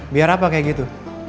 biar apa kayak gitu